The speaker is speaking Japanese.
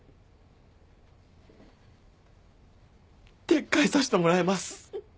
撤回させてもらいます。